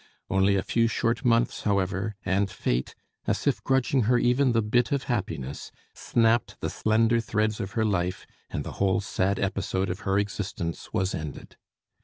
Only a few short months, however, and fate, as if grudging her even the bit of happiness, snapped the slender threads of her life and the whole sad episode of her existence was ended.